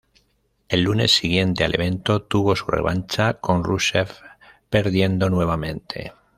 El lunes siguiente al evento, tuvo su revancha con Rusev perdiendo nuevamente.